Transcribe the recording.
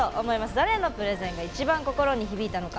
誰のプレゼンが一番心に響いたのか。